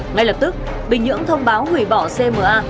ngay lập tức bình nhưỡng thông báo hủy bỏ cma